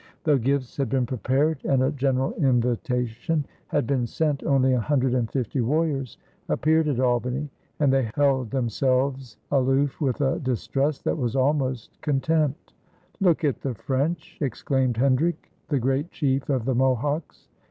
Though gifts had been prepared and a general invitation had been sent, only a hundred and fifty warriors appeared at Albany and they held themselves aloof with a distrust that was almost contempt. "Look at the French!" exclaimed Hendrick, the great chief of the Mohawks.